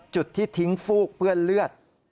จุดที่ทิ้งฟูกเปื้อนเลือด